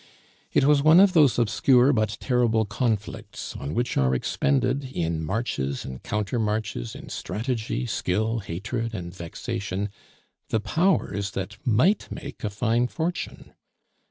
It was one of those obscure but terrible conflicts on which are expended in marches and countermarches, in strategy, skill, hatred, and vexation, the powers that might make a fine fortune.